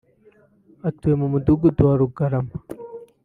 atuye mu Mudugudu wa Rugarama